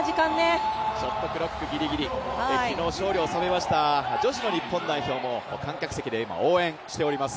ショットクロックぎりぎり、昨日勝利を収めました女子の日本代表も観客席で、今応援しております。